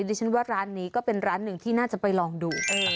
ดิฉันว่าร้านนี้ก็เป็นร้านหนึ่งที่น่าจะไปลองดู